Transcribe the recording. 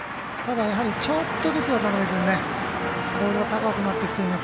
ただ、ちょっとずつ渡邊君ボールが高くなってきています。